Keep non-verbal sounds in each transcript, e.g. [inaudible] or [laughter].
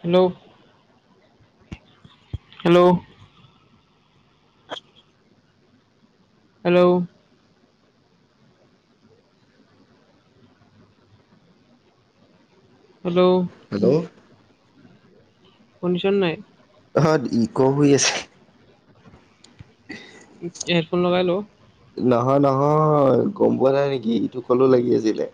Hello hello hello hello hello শুনিছ নাই। অঁ ইক' হৈ আছে হেডফোন লগাই ল নহয় নহয় গম পোৱা নাই নেকি ইটো কলো লাগি আছিলে।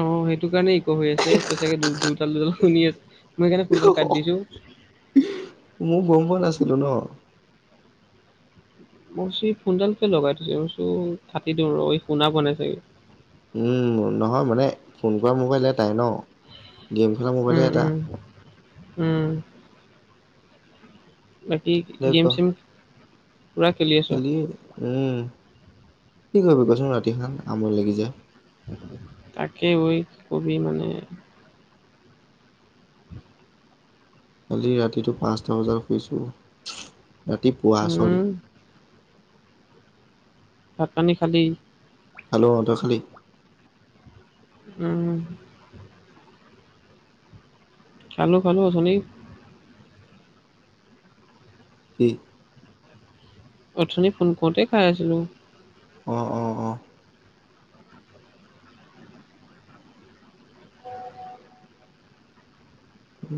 অ সেইটো কাৰণে একো হৈ আছে ত চাগে দুডাল দুডাল শুনি আছে। মই সেই কাৰণে ফোনডাল কাট দিছো। উ মোৰ গম পোৱা নাছিলো ন। মইি ফোনডাল কেে লগাই থৈছে মই চ হাটি দি ৰ শুনা ব নাই চাগে। উম নহয় মানে ফোন কৰা মোবাইল এটাই ন গেম খেলা মোবাইল উম এটা উম উম বাকি গেম চেম পুৰা খেলিয়ে খেলিয়ে উম কি কৰিবি কচোন ৰাতিখন আমনি লাগি যায় তাকে ঐ কি কবি মানে কালি ৰাতিটো পাঁচটা বজাত শুইছোঁ ৰাতি উম ভাত পানী খালি খেলো অ তই খালি উম খেলো খেলো উঠনি কি অথনি ফোন কওঁতে খাই আছিলোঁ অ অ অ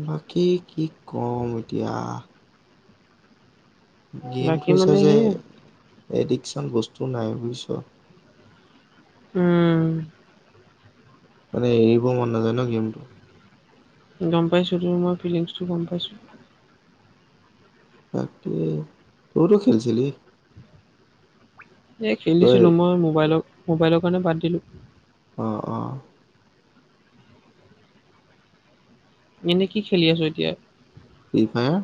বাকী কি কম এতিয়া গেমটো বাকী হৈছে মানে যে সেয়া এডিকচন বস্তু নাই বুইছ। উম মানে এৰিব মন নাযায় ন গেমটো গম পাইছোঁ তোৰ মই ফিলিংছটো গম পাইছোঁ তাকে তওতো খেলিছিলি এই তই খেলেলিছিলোঁ মই মোবাইলৰ মোবাইলৰ কাৰণে বাদ দিলোঁ অ অ এনেই কি খেলি আছ এতিয়া ফ্ৰি ফায়াৰ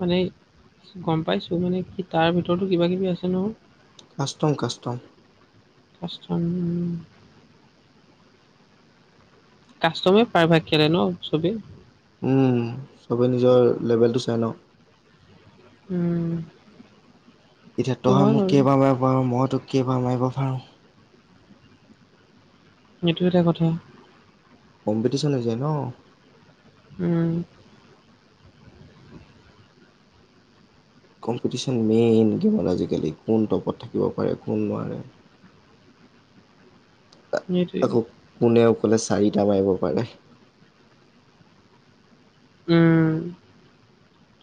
মানে গম পাইছোঁ মানে কি তাৰ ভিতৰতো কিবা কিবি আছে ন কাষ্টম কাষ্টম কাষ্টম কাষ্টমে প্ৰাৰভাগ খালে ন চবেই উম চবে নিজৰ লেবেল টো চাই ন উম এতিয়া সেইটো তই হয় মোক বাৰু কেইবাৰ মাৰিব পাৰো মই তোক কেইবাৰ মাৰিব পাৰোঁ এইটো এটা কথা কম্পিটিচন হৈ যায় ন উম কম্পিটিশন মেইন গেমত আজিকালি কোন টপত থাকিব পাৰে কোন নোৱাৰে সেইটোৱে আকৌ কোনেও অকলে চাৰিটা মাৰিব পাৰে উম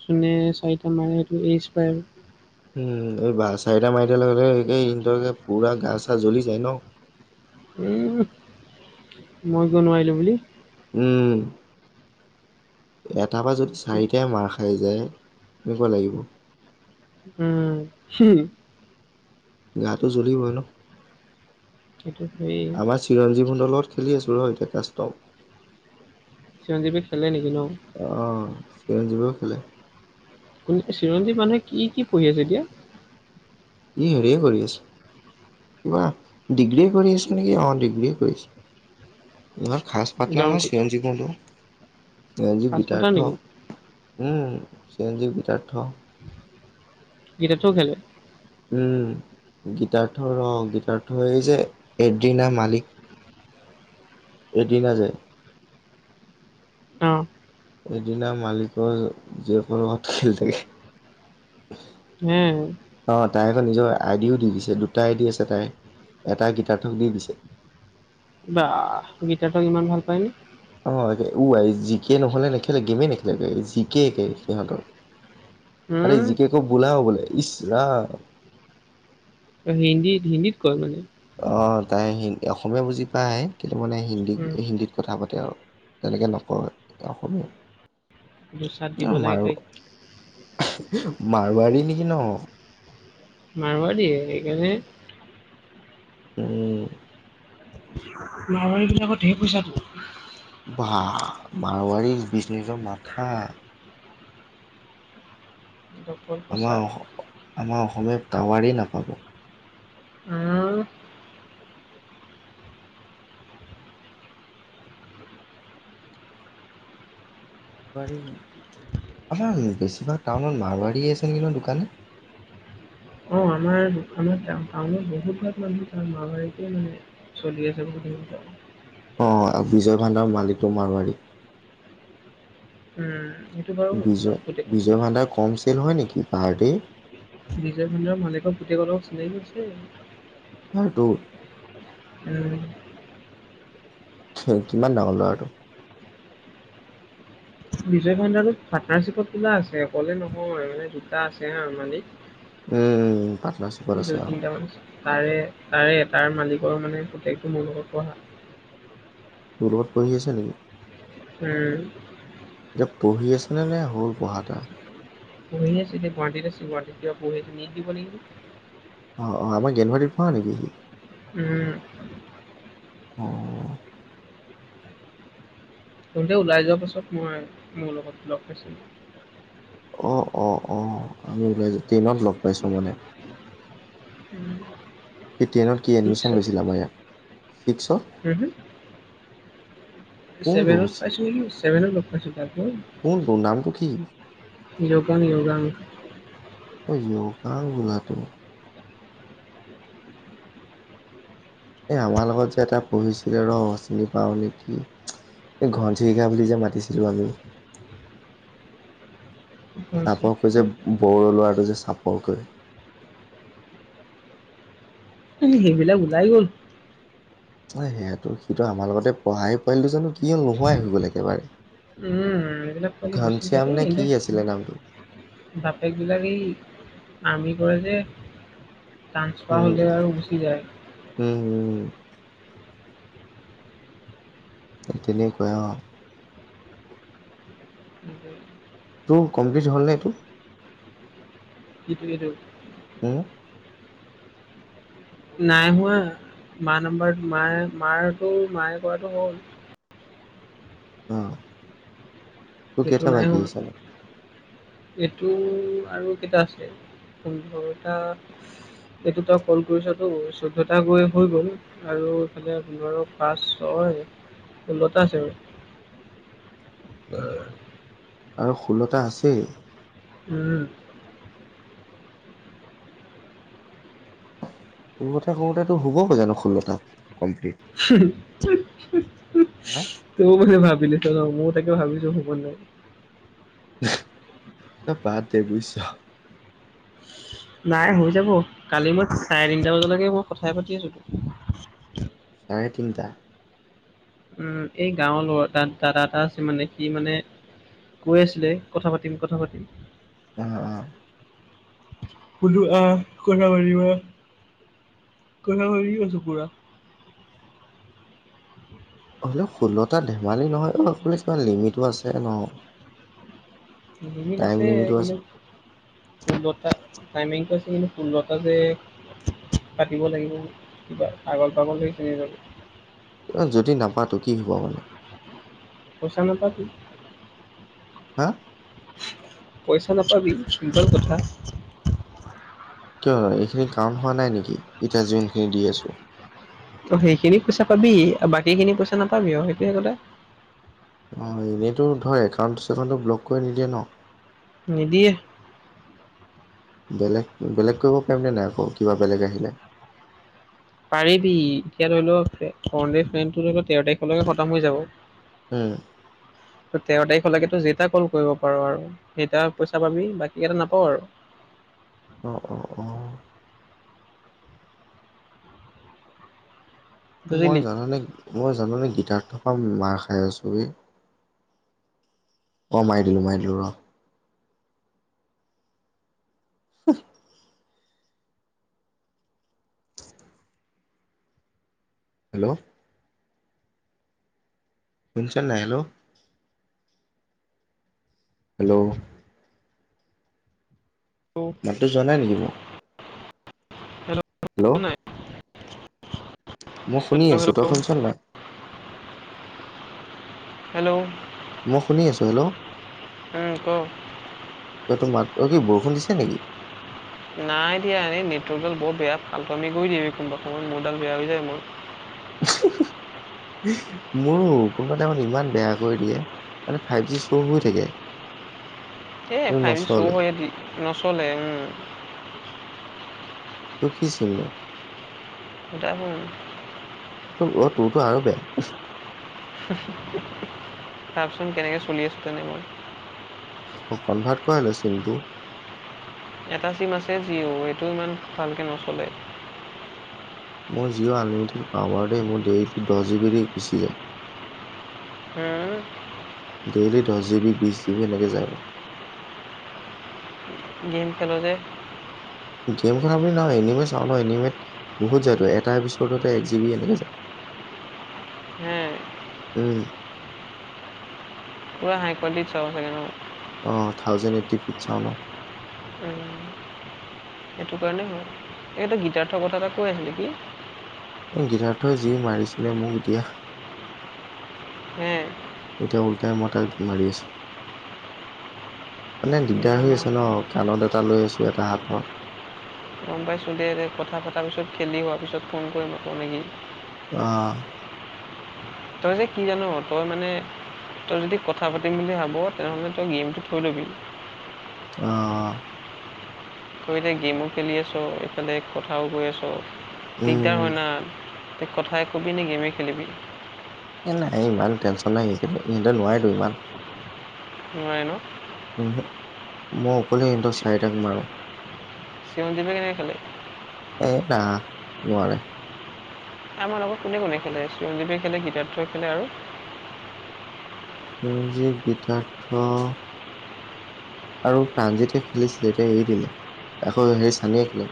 যোনে চাৰিটা মাৰে সেইটো এইচ পায় উম এই বা চাৰিটা মাৰি দিয়াৰ লগে লগে এই নিজকে পুৰা গা চা জ্বলি যায় ন উম মই কিয় নোৱাৰিলোঁ বুলি উম এটা পাই যদি চাৰিটাই মাৰ খা খাই যায় কেনেকুৱা লাগিব উম হু গাটো জ্বলিব ন সেইটো হয়েই চিৰঞ্জী ভূণ্ডৰ লগত খেলি আছোঁ ৰ এতিয়া কাষ্টম চিৰঞ্জীবে খেলে নেকি ন অ চিৰঞ্জীৱো খেলে কোন চিৰঞ্জীৱ [unintelligible] কি কি পঢ়ি আছে এতিয়া ই হেৰিয়ে কৰি আছে কিবা ডিগ্ৰীয়ে কৰি আছে নেকি অ ডিগ্ৰীয়ে কৰি আছে। ইমান খাচ পাৰ্টনাৰ ন জংকুক চিৰঞ্জীৱতো এ জি কাজ কথা গিতাৰ্থ নেকি উম চিৰঞ্জীৱ, গিতাৰ্থ গিতাৰ্থও খেলে উম গিতাৰ্থ ৰ গিতাৰ্থ এই যে এদিনা মালিক এদিনা যে অঁ এদিনা মালিকৰ জীয়েকৰ লগত খেলি থাকে। এ অ তাই আকৌ নিজৰ আই ডিও দি দিছে দুটা আই ডি আছে তাই এটা গিতাৰ্থক দি দিছে। বা গিতাৰ্থক ইমান ভাল পায় নে অ ওৱাই জিকে নহ'লে নেখেলে গেমে নেখেলে জিকে একে সিহঁতৰ আৰে হুম, জিকে ক বোলাও বোলে ইচ ৰাম ত হিন্দীত হিন্দীত কয় মানে অ তাই হি অসমীয়া বুজি পায় আহে কিন্তু মানে হিন্দী উম, হিন্দীত কথা পাতে আৰু। তেনেকে নকয় অসমীয়াত দুচাত দিব লাগে তাইত। মাৰোৱাৰী নেকি ন মাৰোৱাৰীয়ে সেইকাৰণে উম মাৰোৱাৰী বিলাকৰ ধেই পইচাটো বাহঃ মাৰোৱাৰী বিচনেজৰ মাথা অ আমাৰ অস আমাৰ অসমীয়া কাৱাৰী নাপাব উম পাৰিবি আমাৰ বেছিভাগ টাউনত মাৰোৱাৰীয়ে আছে নেকি ন দোকানী। অ আমাৰ দোকানত টাউনত বহুত ভাগ মানুহ তাৰ মাৰোৱাৰিকে মানে চলি আছে [unintelligible] অ বিজয় ভাণ্ডাৰ মালিকটো মাৰোৱাৰী উম সেটো বাৰু বিজয় গোটে বিজয় কওকচোন মাল্লাৰ কম চেল হয় নেকি পাহাৰ্টি বিজয় ভাণ্ডাৰ মালিকৰ পুতেকৰ লগক চিনাকি হৈছেই হৰটো [unintelligible] কিমান ডাঙৰ ল'ৰাটো বিজয় ভাণ্ডাৰত পাৰ্টনাৰশ্বিপত খোলা আছে অকলে নহয় মানে দুটা আছে হা মালিক উম উম পাৰ্টনাৰশ্বিপ দুই তিনিটামান তাৰে তাৰে এটাৰ মালিকৰ মানে পোতেকটো মোৰ লগত পঢ়া তোৰ লগত পঢ়ি আছে নেকি উম এতিয়া পঢ়ি আছেনে নে হ'ল পঢ়া তা পঢ়ি আছিলে গুৱাহাটীত আছে গুৱাহাটীত কিবা পঢ়ি আছে নিকি সুধিব লাগিব অ', অ', আমাৰ [unintelligible] পঢ়া নেকি সি? উম, অ', তহঁতে ওলাই যোৱা পাছত মই মোৰ লগত লগ পাইছিলো। অ', অ', অ', আমি ওলাই যোৱা টেনত লগ পাইছো মানে উম, সি টেনত কি এডমিশ্যন লৈছিলা আমাৰ ইয়াত, ছিক্সত হুম, হুম কোনটো ছেভেনত পাইছো সি, ছেভেনত লগ পাইছো তাক ন'? কোনটো নামটো কি? [unintelligible] অ', [unintelligible] বোলাটো এই আমাৰ লগত যে এটা পঢ়িছিলে ৰ চিনি পাও নেকি? এই ঘনচিৰিকা বুলি যে মাতিছিলোঁ আমি চাপৰ কৈ যে বড়ো ল'ৰাটো যে চাপৰ কৈ। সেইবিলাক ওলাই গ'ল। অ', সেইটো সিটো আমাৰ লগতে পঢ়া সেই পোৱালিটো জানো কি হল নোহোৱাই হৈ গ'ল একেবাৰে উম, এইবিলাক পোৱালি গুচি যায় ঘনশ্যাম এই নে কি আছিলে নামটো এইবিলাক বাপেকবিলাকেই আৰ্মি কৰে যে ট্ৰান্সফাৰ উম হলে আৰু গুচি যায়। উম, হুম, তেনেকুৱা অ', সেইটোৱে তইও [unintelligible] হ'ল নে এইটো? সেইটোৱেতো উম, নাই হোৱা মা নাম্বাৰ মায়ে মাৰটো মায়ে কৰাটো হ'ল অ', তোৰ এইটো কেইটা নাই বাকী হোৱা আছে নো এইটো আৰু কেইটা আছে, পোন্ধৰটা এইটো তই কল কৰিছ হৈ গল, চৈধ্যটা কৰি হৈ গ'ল। আৰু ইফালে আপোনাৰ পাঁচ ছয় ষোল্লটা আছে আৰু [inaudible] আৰু ষোল্লটা আছে? উম, ষোল্লটা কৰোঁতেইটো হ'বগে জানো ষোল্লটা? কমপ্লিট হা [inaudible] তয়ো মানে ভাবিলি, ময়ো তাকে ভাবিছোঁ হব নে নাই। তই বাতদে বুজিছ' [inaudible] নাই হৈ যাব, কালি মই চাৰে তিনিটা বজালৈকে মই কথাই পাতি আছোতো। চাৰে তিনিটা? উম, এই গাঁৱৰ লৰা দাদা এটা আছে মানে সি মানে কৈ আছিলে কথা পাতিম, কথা পাতিম অ', অ', কল আহ কাবাৰ কাবাৰ আছে পুৰা [inaudible] হ'লেও ষোলটা ধেমালি নহয়, অ লিমিটো আছে ন? লিমিট টাইম আছে লিমিটো আছে কিন্তু, ষোল্লটা টাইমিংটো আছে, কিন্তু ষোল্লটা যে পাতিব লাগিব, কিবা আগল পাগল হৈ তেনে ল অ যদি নাপাতো কি হ'ব মানে? পইচা নাপাবি। হা পইচা নাপাবি, চিম্পুল কথা। কিয় হয়? এইখিনি কাৰণ হোৱা নাই নেকি? এতিয়া যোনখিনি দি আছো অ সেইখিনিৰ পইচা পাবি, বাকী খিনি পইচা নাপাবি সেইটোৱে কথা। অ, এনেইতো ধৰ একাউণ্ট চেকাউণ্টটো ব্লক কৰি নিদিয়ে ন? নিদিয়ে। বেলেগ বেলেগ কৰিব পাৰিমনে নাই আকৌ কিবা বেলেগ আহিলে? পাৰিবি এতিয়া ধৰি ল, ফোনডেনচনটো তেৰ তাৰিখলৈকে খতম হৈ যাব। উম। ত তেৰ তাৰিখলৈকে যে টা কল কৰিব পাৰো আৰু। সেইটাৰ পইচা পাবি, বাকী কেইটা নাপাওঁ আৰু। অঁ অঁ অঁ মই বুজিলি জানানে মই জানানে গীটাৰ থৰ পৰা মাৰ খাই আছো ৰে? অঁ মাৰি দিলোঁ, মাৰি দিলোঁ ৰ। উ হেল্লো' শুনিছা নাই? হেল্লো হেল্লো' হেল্লো মাতটো যোৱা নাই নেকি মোৰ? হেল্ল' হেল্লো' হেল্ল' মই শুনি আছো, হেল্ল' তই শুনিচ নাই? হেল্লো' মই শুনি আছো হেল্লো' অ ক' এই তোৰ মাত, এই কি বৰষুণ দিছে নেকি? নাই দিয়া এনে নেটৱৰ্কডাল বৰ বেয়া ফাটুআমি কৰি দিয়ে, কোনোবা সময় মোৰডাল বেয়া হৈ যায় মোৰ। মোৰো, কোনোবা এদিনাখন ইমান বেয়া কৰি দিয়ে মানে ফাইভ জি শ্ব' হৈ থাকে। এ কিন্তু ফাই জি শ' নচলে হয়ে নচলে উম তই কি চিম ল? ভোডাফোন। ত অ তোৰতো আৰু বেয়া। চাওকচোন কেনেকৈ চলি আছো, তেনে মই অঁ কনভাৰ্ট কৰালে চিমটো? এটা চিম আছে জিঅ', এইটো ইমান ভালকে নচলে। মোই জিঅ' আনলিমিটেড পাওঁ বাৰু দেই, মোৰ ডেইলী দহ জি বি দি গুচি যায়। হম ডেইলি দহ জিবি, বিশ জিবি এনেকৈ যায় মোৰ। গেম খেল যে, গেম খেলা বুলি নহয় এনিমেট চাওঁ ন এনিমেট বহুত যায়টো এটা এপিচড এক জি বি এনেকে যায়। উম উম পুৰা হাই কোৱালিটিত চাও চাগে ন? অঁ থাউজেণ্ড এইটিত চাওঁ ন। উম সেইটো কাৰণে হয়। এইটো গীতাৰ্থ হঠাৎ আকৌ আহিল নেকি? এই গীতাৰ্থই যি মাৰিছিলে মোক এতিয়া। হে? এতিয়া ওল্টাই মই তাক মাৰি আছো। মানে না দিগদাৰ হৈ না আছে ন কাণত এটা লৈ আছো এটা হাতত। গম পাইছোঁ দে দে কথা পতাৰ পিছত খেলি হোৱাৰ পিছত ফোন কৰিম আকৌ নেকি? আহ তই যে কি জান' তই মানে তই যদি কথা পাতিম বুলি ভাব তেনেহ'লে তই গেমটো থৈ ল'বি। অঁহ তই এতিয়া গেমো খেলি আছোঁ ইফালে কথাও কৈ আছ। উম দিগদাৰ হয় না তই কথাই ক'বি নে গেমে খেলিবি। এই নাই ইমান টেনচন নাই ইহঁতে নোৱাৰেটো ইমান। নোৱাৰে ন? উমহু, মই অকলে ইহঁতক চি- চাৰিটাক মাৰোঁ। চিৰঞ্জীৱে কেনেকে খেলে? এ না নোৱাৰে। আমাৰ লগৰ কোনে কোনে খেলে চিৰঞ্জীৱে খেলে সিদ্ধাৰ্থই খেলে আৰু? চিৰঞ্জীৱ, সিদ্ধাৰ্থ আৰু প্ৰাণজিৎ খেলিছিলে দেই এতিয়া এৰি দিলে, আকৌ হেৰি চানীয়ে খেলে।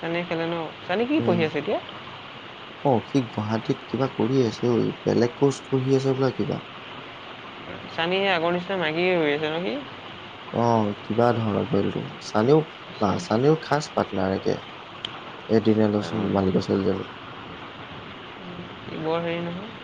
চানীয়ে খেলে ন, চানী কি পঢ়ি আছে এতিয়া? অঁ সি গুৱাহাটীত কিবা কৰি আছে অ বেলেগ কোৰ্চ পঢ়ি আছে হ'বলা কিবা। চানি সি আগৰ নিচিনা মাহিৰ হৈ আছে ন সি? অঁ কিবা ধৰনৰ পোৱালিটো চানিও বা সঁচা চানিও খাছ পাৰ্টনাৰ একে জানো এদিলোচন মালিকৰ ছোৱালীজনী বৰ হেৰি নহয়